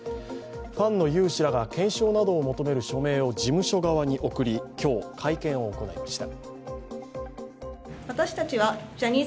ファンの有志らが検証などを求める署名を事務所側に送り今日会見を行いました。